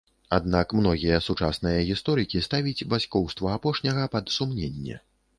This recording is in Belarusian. Аднак многія сучасныя гісторыкі ставіць бацькоўства апошняга пад сумненне.